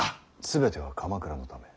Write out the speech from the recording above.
全ては鎌倉のため。